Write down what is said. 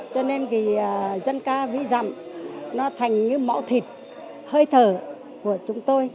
cho nên dân ca ví dạng nó thành như mẫu thịt hơi thở của chúng tôi